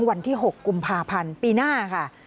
วันที่๖กุมภาพันธ์ปีหน้าค่ะ